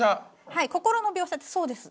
はい心の描写そうです。